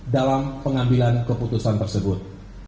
dalam pengambilan keputusan tersebut